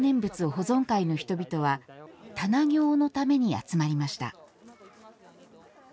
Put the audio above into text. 保存会の人々は棚経のために集まりました。